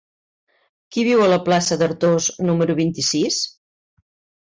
Qui viu a la plaça d'Artós número vint-i-sis?